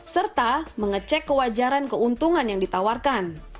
serta mengecek kewajaran keuntungan yang ditawarkan